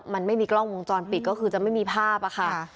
มันไม่มีกล้องวงจรปิดก็คือจะไม่มีภาพอะค่ะ